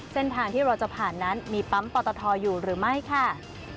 เส้นทางที่เราจะผ่านนั้นมีปั๊มปอตทอยู่หรือไม่ค่ะ